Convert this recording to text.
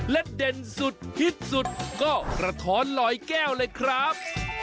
และเด่นสุดฮิตสุดก็กระท้อนลอยแก้วเลยครับ